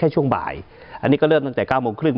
ช่วงบ่ายอันนี้ก็เริ่มตั้งแต่๙โมงครึ่ง